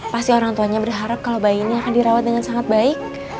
pasti orang tuanya berharap kalau bayi ini akan dirawat dengan sangat baik